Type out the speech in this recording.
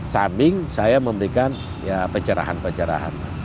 sambil saya memberikan pencerahan pencerahan